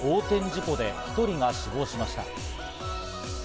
事故で１人が死亡しました。